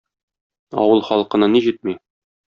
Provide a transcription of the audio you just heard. Авыл халкына ни җитми